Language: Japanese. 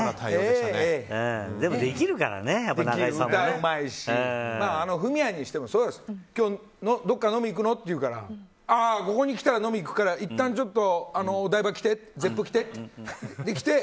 でも、できるからねやっぱり中井さんもね。歌うまいしフミヤにしてもそうだし今日どこか飲みに行くの？って言うからここに来たら飲み行くからいったんちょっとお台場来てって。